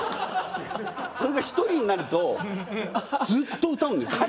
それが一人になるとずっと歌うんですよ。